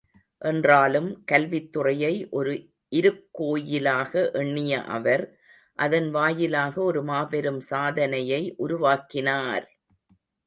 என்றாலும், கல்வித்துறையை ஒரு இருக்கோயிலாக எண்ணிய அவர், அதன் வாயிலாக ஒரு மாபெரும் சாதனையை உருவாக்கினார்!